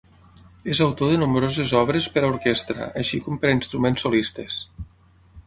És autor de nombroses obres per a orquestra, així com per a instruments solistes.